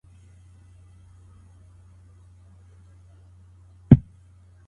د نړیوالو اړیکو په ترڅ کي د خلګو رایه نه پام کیږي.